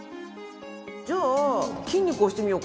じゃあ「筋肉」押してみようか。